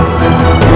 aku mau pergi